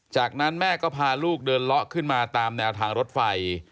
จากนั้นแม่ก็พาลูกเดินเลาะขึ้นมาตามแนวทางรถไฟ